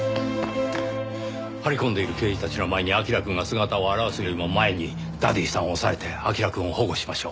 張り込んでいる刑事たちの前に彬くんが姿を現すよりも前にダディさんを押さえて彬くんを保護しましょう。